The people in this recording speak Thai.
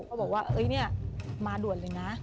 บอกว่าเนี่ยมาด่วนเลยนะ